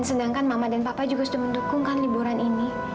dengan mengajukan mama dan papa juga sudah mendukungkan liburan ini